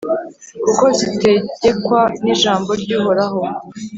kuko zitegekwa n’ijambo ry’Uhoraho,